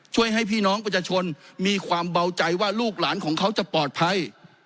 ช่วยให้พี่น้องประชาชนมีความเบาใจว่าลูกหลานของเขาจะปลอดภัย